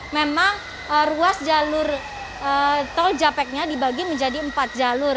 memang ruas jalur tol japeknya dibagi menjadi empat jalur